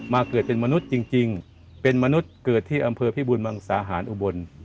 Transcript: เกิดเป็นมนุษย์จริงเป็นมนุษย์เกิดที่อำเภอพิบูรมังสาหารอุบล